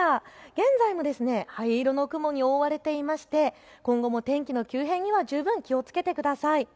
現在も灰色の雲に覆われていまして今後も天気の急変には十分気をつけてください。